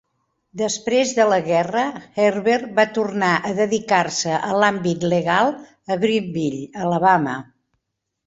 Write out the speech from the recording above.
Després de la guerra, Herbert va tornar a dedicar-se a l'àmbit legal a Greenville, Alabama.